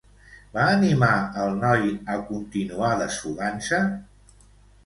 Va animar al noi a continuar desfogant-se?